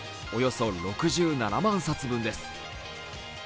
およそ６７万冊分です。